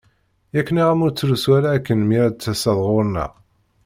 Yak nniɣ-am ur ttlusu ara akken mi ara d-taseḍ ɣur-neɣ.